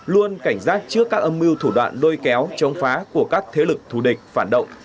luôn cảnh giác trước các âm mưu thủ đoạn đôi kéo chống phá của các thế lực thù địch phản động